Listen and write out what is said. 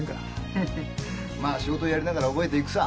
フフフまあ仕事をやりながら覚えていくさ。